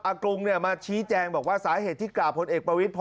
กรุงมาชี้แจงบอกว่าสาเหตุที่กล่าวพลเอกประวิทย์